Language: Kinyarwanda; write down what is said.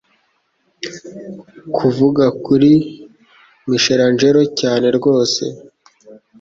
Kuvuga kuri Michelangelo cyane rwose